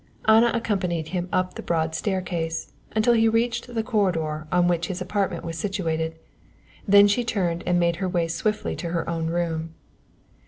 Anna accompanied him up the broad staircase, until he reached the corridor on which his apartment was situated, then she turned and made her way swiftly to her own room.